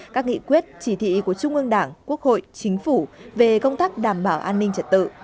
các nghị quyết chỉ thị của trung ương đảng quốc hội chính phủ về công tác đảm bảo an ninh trật tự